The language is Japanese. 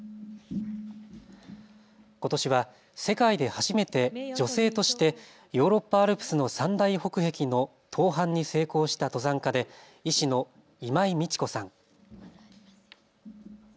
ことしは世界で初めて女性としてヨーロッパアルプスの三大北壁の登はんに成功した登山家で医師の今井通子さん。